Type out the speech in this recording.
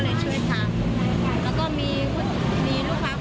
แล้วก็โทรไปหาย่างพี่โนเขา